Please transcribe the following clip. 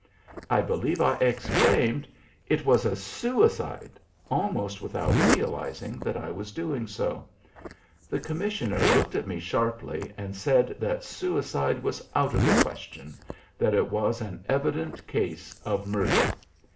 I believe I exclaimed, 'It was a suicide!' almost without realising that I was doing so. The commissioner looked at me sharply and said that suicide was out of the question, that it was an evident case of murder.